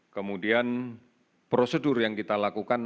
kemudian prosedur yang kita lakukan